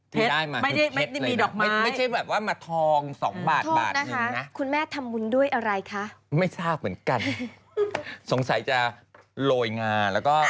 โรยงาแล้วก็ลนงา